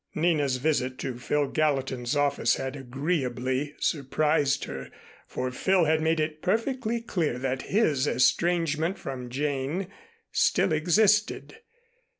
Nina's visit to Phil Gallatin's office had agreeably surprised her, for Phil had made it perfectly clear that his estrangement from Jane still existed.